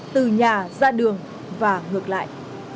từ nhà ra đường và ngược lại